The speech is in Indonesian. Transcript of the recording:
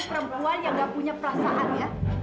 dasar kamu perempuan yang gak punya perasaan ya